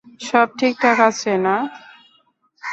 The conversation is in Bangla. সব ঠিকঠাক আছে, না?